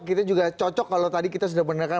kita juga cocok kalau tadi kita sudah mendengarkan